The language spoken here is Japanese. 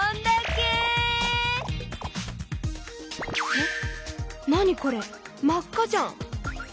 え何これ真っ赤じゃん！